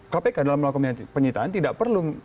kpk dalam melakukan penyitaan tidak perlu